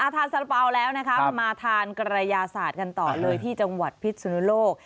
ทานสารเป๋าแล้วนะคะมาทานกระยาศาสตร์กันต่อเลยที่จังหวัดพิษสุนุโลก